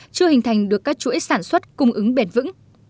chưa hình thành được các chuỗi sản xuất cung ứng bền vững